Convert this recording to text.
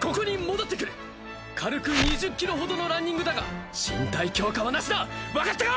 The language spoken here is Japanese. ここに戻ってくる軽く２０キロほどのランニングだが身体強化はなしだ分かったか！